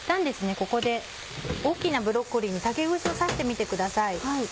ここで大きなブロッコリーに竹串を刺してみてください。